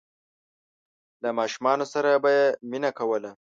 له ماشومانو سره به یې مینه کوله.